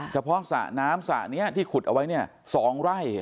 เฉพาะสระน้ำสระนี้ที่ขุดเอาไว้เนี่ย๒ไร่